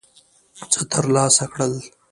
څه ترلاسه کړل.